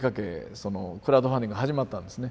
そのクラウドファンディング始まったんですね。